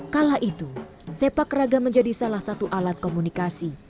kala itu sepak raga menjadi salah satu alat komunikasi